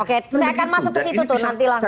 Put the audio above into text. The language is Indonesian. oke saya akan masuk ke situ tuh nanti langsung